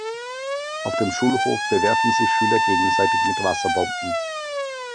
Auf dem Schulhof bewerfen sich Schüler gegenseitig mit Wasserbomben.